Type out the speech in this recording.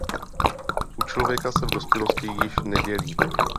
U člověka se v dospělosti již nedělí.